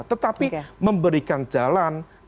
tetapi memberikan jalan